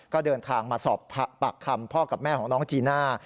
ก็เดินทางมาสอบปากคำพ่อกับแม่ของน้องจีน่า